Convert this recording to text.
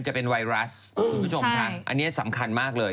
จะเป็นไวรัสคุณผู้ชมค่ะอันนี้สำคัญมากเลย